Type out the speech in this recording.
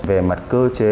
về mặt cơ chế